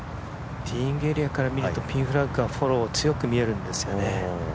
ティーイングエリアから見るとピンフラッグの揺れ、強く見えるんですよね。